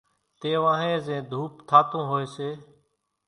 تيوانھين زين ڌوپ ٿاتون ھوئي سي